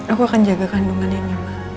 aku akan jaga kandungan yang nyaman